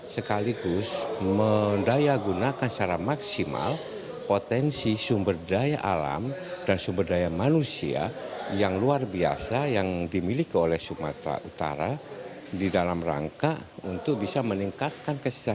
sekaligus mendayagunakan secara maksimal potensi sumber daya alam dan sumber daya manusia yang luar biasa yang dimiliki oleh sumatera utara di dalam rangka untuk bisa meningkatkan kesehatan